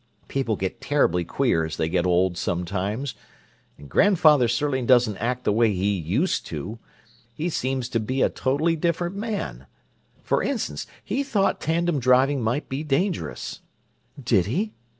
People get terribly queer as they get old, sometimes, and grandfather certainly doesn't act the way he used to. He seems to be a totally different man. For instance, he said he thought tandem driving might be dangerous—" "Did he?"